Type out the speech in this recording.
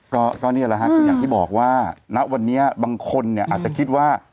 ก็นี่แหละฮะคืออย่างที่บอกว่าณวันนี้บางคนเนี่ยอาจจะคิดว่า